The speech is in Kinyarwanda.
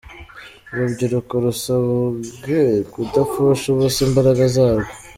Urubyiruko rwasabwe kudapfusha ubusa imbaraga zarwo.